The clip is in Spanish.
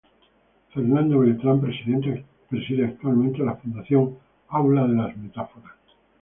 Fernando Beltrán preside actualmente la Fundación Aula de las Metáforas.